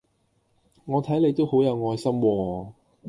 我睇你都好有愛心喎